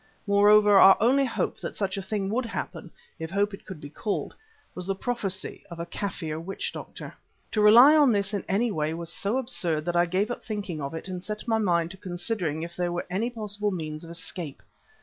Moreover, our only hope that such a thing would happen, if hope it could be called, was the prophecy of a Kaffir witch doctor. To rely on this in any way was so absurd that I gave up thinking of it and set my mind to considering if there were any possible means of escape.